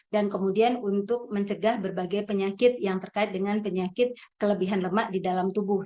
dan kemudian untuk mencegah berbagai penyakit yang terkait dengan penyakit kelebihan lemak di dalam tubuh